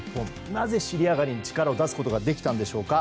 なぜ尻上がりに力を出すことができたんでしょうか。